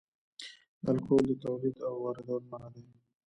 د الکول تولید او واردول منع دي